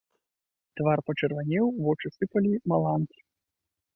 Твар пачырванеў, вочы сыпалі маланкі.